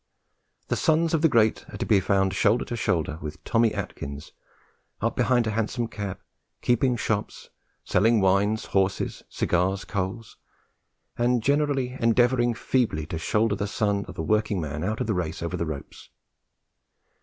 The sons of the great are to be found shoulder to shoulder with "Tommy Atkins," up behind a hansom cab, keeping shops, selling wines, horses, cigars, coals, and generally endeavouring feebly to shoulder the son of the working man out of the race over the ropes.